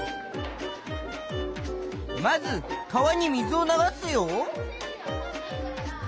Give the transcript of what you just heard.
まず川に水を流すよ。